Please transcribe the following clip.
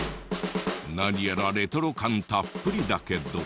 何やらレトロ感たっぷりだけど。